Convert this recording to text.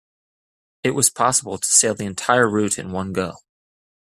It was possible to sail the entire route in one go.